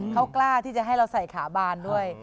เขากล้าที่จะให้เราใส่ขาบานด้วย